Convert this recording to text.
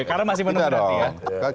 karena masih menunggu berarti ya